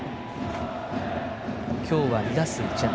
今日は２打数１安打。